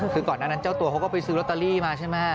คือก่อนนั้นเจ้าตัวเขาก็ไปซื้อลอตเตอรี่มาใช่ไหม